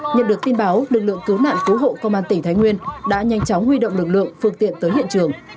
nhận được tin báo lực lượng cứu nạn cứu hộ công an tỉnh thái nguyên đã nhanh chóng huy động lực lượng phương tiện tới hiện trường